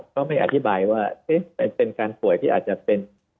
ก็ไม่อธิบายว่าเป็นการป่วยที่อาจจะเป็น